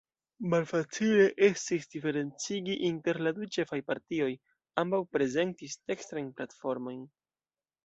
Malfacile estis diferencigi inter la du ĉefaj partioj: ambaŭ prezentis dekstrajn platformojn.